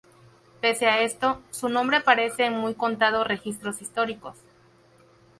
Pese a esto, su nombre aparece en muy contados registros históricos.